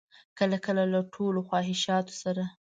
کله کله له ټولو خواهشاتو سره.